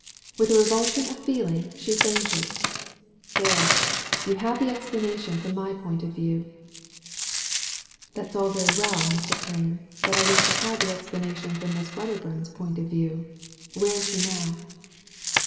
With a revulsion of feeling she fainted. There — ^you have the explanation from my point of view." ••That's all very well, Mr. Prain; but I wish to have the explanation from Miss Wedderbum*s point of view. Where is she now